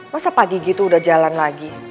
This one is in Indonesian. masa pagi gitu udah jalan lagi